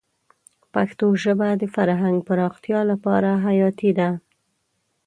پښتو ژبه د فرهنګ پراختیا لپاره حیاتي ده.